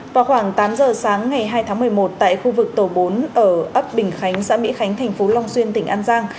vào khoảng tám giờ sáng ngày hai tháng một mươi một tại khu vực tổ bốn ở ấp bình khánh xã mỹ khánh thành phố long xuyên tỉnh an giang